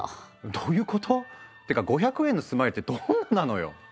どういうこと？っていうか５００円のスマイルってどんなのよ。